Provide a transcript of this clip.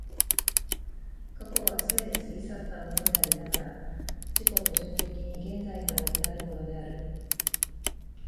過去は既に過ぎ去ったものでありながら、自己矛盾的に現在においてあるものである。